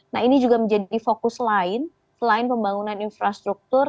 nah ini juga menjadi fokus lain selain pembangunan infrastruktur